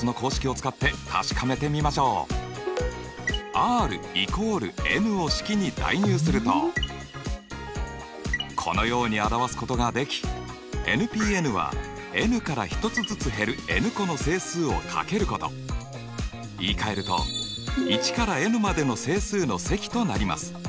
ｒ＝ｎを式に代入するとこのように表すことができｎＰｎはｎから１つずつ減るｎ個の整数を掛けること言いかえると１からｎまでの整数の積となります。